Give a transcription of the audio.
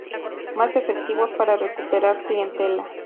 más efectivos para recuperar clientela